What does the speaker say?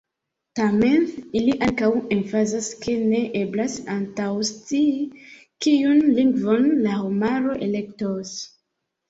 Tamen ili ankaŭ emfazas, ke ne eblas antaŭscii, kiun lingvon la homaro elektos.